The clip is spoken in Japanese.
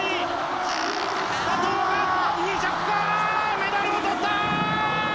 メダルをとった！